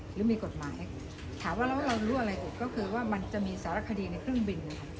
หรือมีกฎหมายถามว่าแล้วเรารู้อะไรอีกก็คือว่ามันจะมีสารคดีในเครื่องบิน